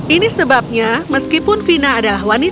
ini sebabnya meskipun vina adalah wanita